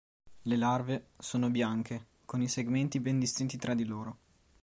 Le larve sono bianche con i segmenti ben distinti tra di loro.